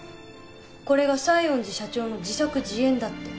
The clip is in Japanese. これが西園寺社長の自作自演だって。